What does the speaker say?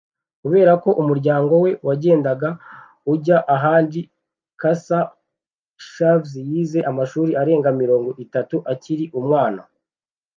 Kubera ko umuryango we wagendaga ujya ahandi, Cesar Chavez yize amashuri arenga mirongo itatu akiri umwana.